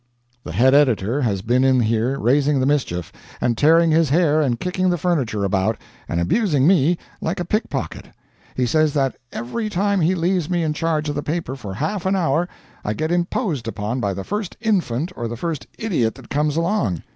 The head editor has been in here raising the mischief, and tearing his hair and kicking the furniture about, and abusing me like a pickpocket. He says that every time he leaves me in charge of the paper for half an hour I get imposed upon by the first infant or the first idiot that comes along.